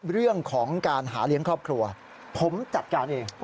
เรื่องของการหาเลี้ยงครอบครัวผมจัดการเอง